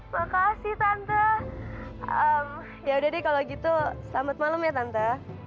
makasih tante ya udah deh kalau gitu selamat malam ya tanta